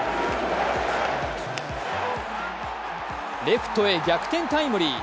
レフトへ逆転タイムリー。